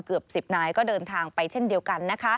เกือบ๑๐นายก็เดินทางไปเช่นเดียวกัน